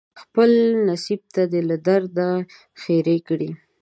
خپل نصیب ته دې له درده ښیرې کړي